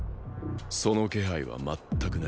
その気配は全くない。